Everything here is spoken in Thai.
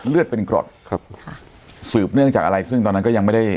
เลือดเป็นกรดครับค่ะสืบเนื่องจากอะไรซึ่งตอนนั้นก็ยังไม่ได้